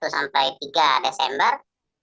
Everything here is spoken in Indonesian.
satu sampai tiga desember